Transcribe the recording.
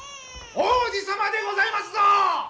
皇子様でございますぞ！